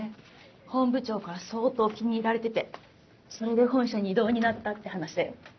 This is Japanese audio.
本部長から相当気に入られててそれで本社に異動になったって話だよ。